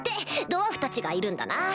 ドワーフたちがいるんだな！